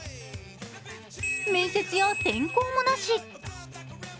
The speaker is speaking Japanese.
面接や選考もなし。